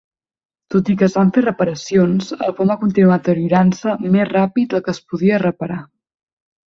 Tot i que es van fer reparacions, el pont va continuar deteriorant-se més ràpid del que es podia reparar.